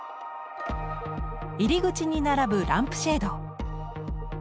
入り口に並ぶランプシェード。